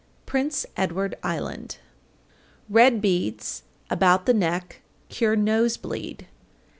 Prince Edward Island. 801. Red beads about the neck cure nose bleed.